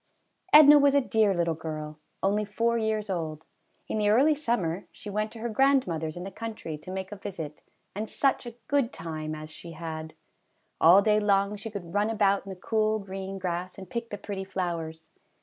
Edna was a dear little girl, only four years old. In the early summer she went to her grandmother's in the country to make a visit, and such a good time as she had! All day long she could run about in the cool green grass and pick the pretty flowers.